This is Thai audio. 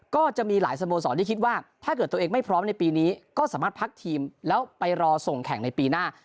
ก็จะมีหลายสโมสรที่คิดว่าถ้าเกิดตัวเองไม่พร้อมในปีนี้ก็สามารถพักทีมแล้วไปรอส่งแข่งในปีหน้า